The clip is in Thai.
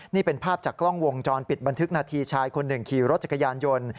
นี่เป็นภาพจากกล้องวงจรปิดบันทึกนาทีชายคนหนึ่งขี่รถจักรยานยนต์